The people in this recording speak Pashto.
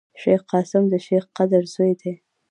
شېخ قاسم دشېخ قدر زوی دﺉ.